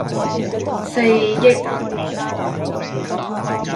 四億